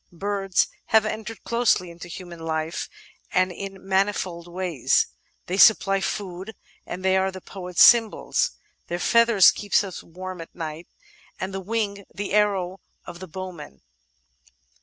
Birds have entered closely into human hf e, and in manifold ways. They supply food, and they are the poet's symbols. Their feathers keep us warm at night, and wing the arrow of the bowman.